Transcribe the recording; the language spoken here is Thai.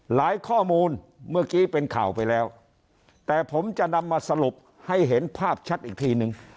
ข้อมูลเมื่อกี้เป็นข่าวไปแล้วแต่ผมจะนำมาสรุปให้เห็นภาพชัดอีกทีนึง